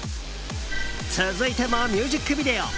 続いてもミュージックビデオ。